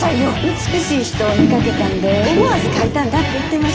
美しい人を見かけたんで思わず描いたんだって言ってました。